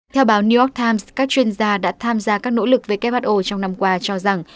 theo báo new york times các chuyên gia đã tham gia các nỗ lực who trong năm qua cho rằng